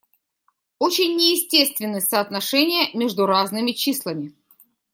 Очень неестественны соотношения между разными числами.